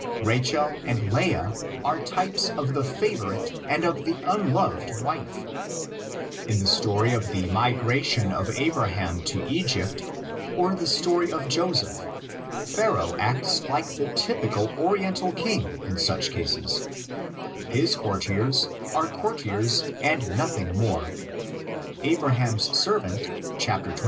Rachel and Leah are types of the favorite and of the unloved wife; in the story of the migration of Abraham to Egypt, or the story of Joseph, Pharoah acts like the typical Orien tal king in such cases; his courtiers are courtiers and nothing more; Abraham's servant, chap, xxiv.